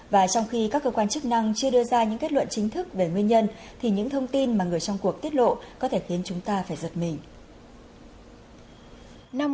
và trong khi các cơ quan chức năng chưa đưa ra những kết luận chính thức về nguyên nhân thì những thông tin mà người trong cuộc tiết lộ có thể khiến chúng ta phải giật mình